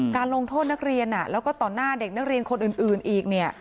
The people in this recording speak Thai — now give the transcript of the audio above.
การลงโทษนักเรียนแล้วก็ต่อหน้าเด็กนักเรียนคนอื่นอีกเนี่ย